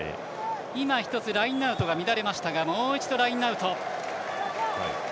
今、１つラインアウトが乱れましたがもう一度ラインアウト。